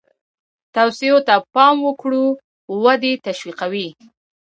توصیو ته پام وکړو ودې تشویقوي.